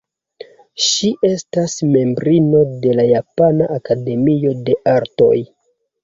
Ŝi estas membrino de la Japana Akademio de Artoj.